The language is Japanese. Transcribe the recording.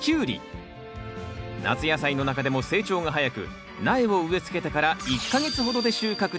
夏野菜の中でも成長が早く苗を植え付けてから１か月ほどで収穫できる